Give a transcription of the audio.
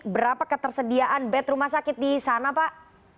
berapa ketersediaan bed rumah sakit di sana pak